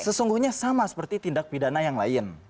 sesungguhnya sama seperti tindak pidana yang lain